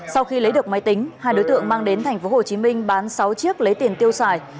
sau khi lấy được máy tính hai đối tượng mang đến tp hcm bán sáu chiếc lấy tiền tiêu xài